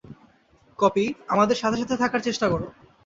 Copy, আমার সাথে-সাথেই থাকার চেষ্টা করো।